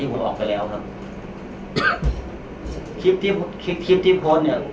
ที่ผมออกไปแล้วครับคลิปที่คลิปที่โพสต์เนี่ย